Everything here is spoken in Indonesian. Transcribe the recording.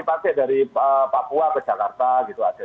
pakai dari papua ke jakarta gitu aja